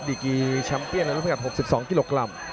ดิกรีชั้มเปี้ยนลำลังขึ้นกับ๖๒กิโลกรัม